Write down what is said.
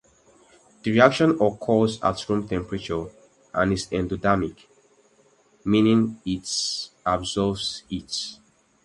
This reaction occurs at room temperature and is endothermic, meaning that it absorbs heat.